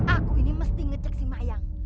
aku ini mesti ngecek si mayang